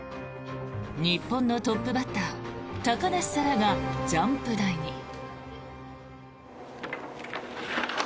日本のトップバッター高梨沙羅がジャンプ台に。